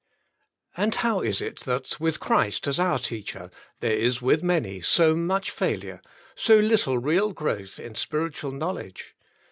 And how is it that, with Christ as our teacher, there is with many, so much failure, so little real growth in spiritual knowledge?